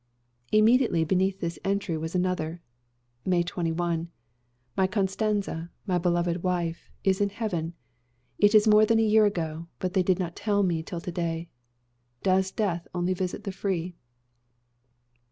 Immediately beneath this entry was another. "May 21. My Costanza, my beloved wife, is in heaven. It is more than a year ago, but they did not tell me till to day. Does death only visit the free?"